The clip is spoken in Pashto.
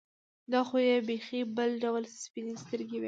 دا خو یې بېخي بل ډول سپین سترګي وه.